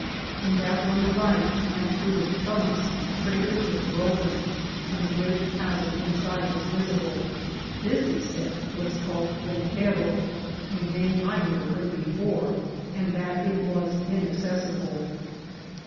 In that on the right, and far thest from us, the crater was broken, and the great chasm inside was visible. This he said was called Ven tero, a name I never heard before, and that it was in accessible.